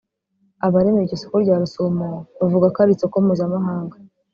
Abarema iryo soko rya Rusumo bavuga ko ari isoko mpuzamahanga